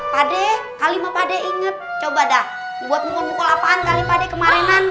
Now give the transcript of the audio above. pakde kalimah pakde inget coba dah buat mukul mukul apaan kalimah pakde kemarinan